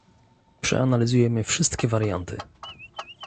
Przeanalizujemy wszystkie warianty